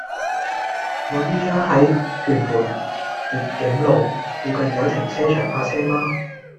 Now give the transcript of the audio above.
我依家喺屯門蝶景路，附近有停車場泊車嗎